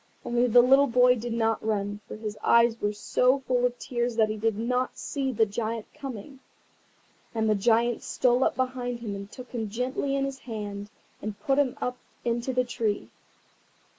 Only the little boy did not run, for his eyes were so full of tears that he did not see the Giant coming. And the Giant stole up behind him and took him gently in his hand, and put him up into the tree.